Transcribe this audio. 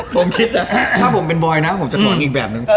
ถ้าผมเป็นบอยนะผมจะถอยนังอีกแบบนึง